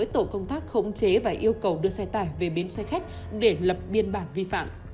tổ công tác khống chế và yêu cầu đưa xe tải về bến xe khách để lập biên bản vi phạm